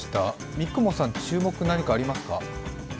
三雲さん、注目何かありますか？